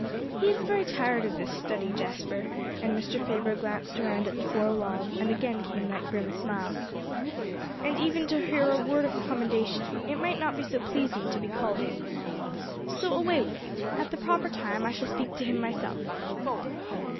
He is very tired of this study, Jasper," and Mr. Faber glanced around at the four walls, and again came that grim smile. "And even to hear a word of commendation, it might not be so pleasing to be called in. So away with you. At the proper time, I shall speak to him myself."